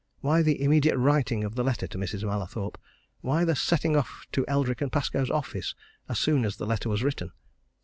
Why the immediate writing of the letter to Mrs. Mallathorpe? Why the setting off to Eldrick & Pascoe's office as soon as the letter was written?